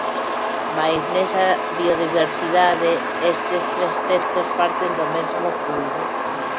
Mais nesa biodiversidade, estes tres textos parten do mesmo fluído.